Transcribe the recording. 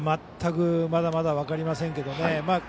全くまだまだ分かりませんけどね。